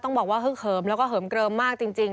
ต้องบอกว่าฮึกเหิมแล้วก็เหิมเกลิมมากจริง